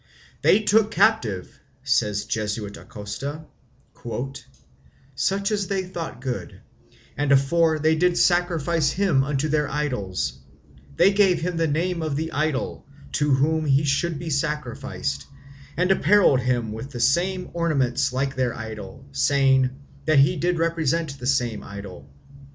"They took a captive," says the Jesuit Acosta, "such as they thought good; and afore they did sacrifice him unto their idols, they gave him the name of the idol, to whom he should be sacrificed, and apparelled him with the same ornaments like their idol, saying, that he did represent the same idol.